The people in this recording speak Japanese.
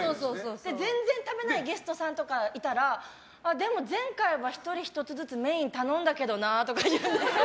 全然食べないゲストさんとかいたらでも、前回は１人１つずつメイン頼んだけどなとか言うんですよ。